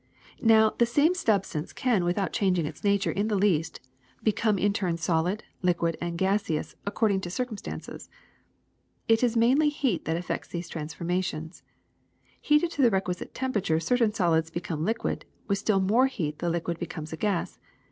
''Now the same substance can, without changing its nature in the least, become in turn solid, liquid, and gaseous, according to circumstances. It is mainly heat that effects these transformations. Heated to the requisite temperature, certain solids become liquid ; with still more heat the liquid becomes a gas.